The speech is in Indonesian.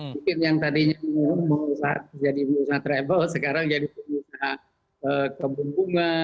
pemirsa yang tadinya mau jadi usaha travel sekarang jadi pengusaha kebun bunga